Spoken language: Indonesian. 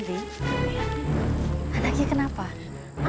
nidadi kita harus segera lanjutkan perjalanan